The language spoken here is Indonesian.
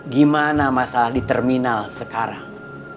gimana masalah di terminal sekarang